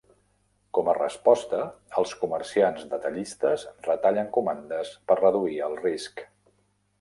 Com a resposta, els comerciants detallistes retallen comandes per reduir el risc.